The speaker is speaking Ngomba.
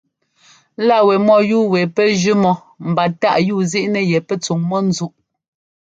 Lá wɛ mɔ́yúu wɛ pɛ́ jʉ́ mɔ mba táꞌ yúuzíꞌnɛ yɛ pɛ́ tsuŋnɛ́ ńzúꞌ.